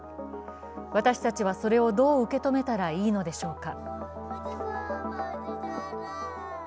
私たちはそれをどう受け止めたらいいのでしょうか。